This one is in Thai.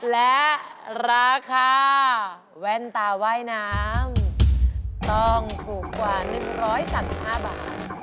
และราคาแว่นตาว่ายน้ำต้องถูกกว่าหนึ่งร้อยสามสิบห้าบาท